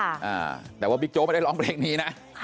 อ่าแต่ว่าบิ๊กโจ๊กไม่ได้ร้องเพลงนี้นะค่ะ